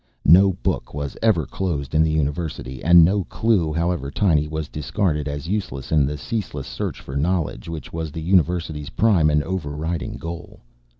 No book was ever closed in the University and no clue, however tiny, was discarded as useless in the ceaseless search for knowledge which was the University's prime and overriding goal.